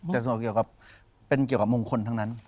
แต่เป็นเกี่ยวกับมงคลทั้งนั้น